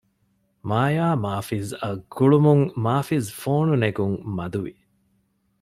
މާޔާ މާޒިފް އަށް ގުޅުމުން މާޒިފް ފޯނު ނެގުން މަދު ވި